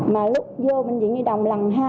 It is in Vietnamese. mà lúc vô bệnh viện nhi đồng lần hai